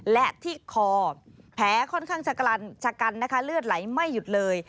และที่คอแผลค่อนข้างชะกันนะคะเลือดไหลไม่หยุดเลย